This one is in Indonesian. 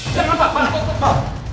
jangan lupa jangan lupa jangan lupa